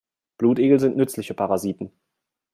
Blutegel sind nützliche Parasiten.